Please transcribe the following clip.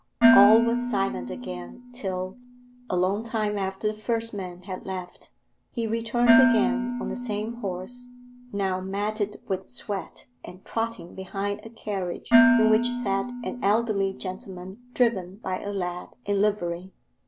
All was silent again till, a long time after the first man had left, he returned again on the same horse, now matted with sweat and trotting behind a carriage in which sat an elderly gentleman driven by a lad in livery.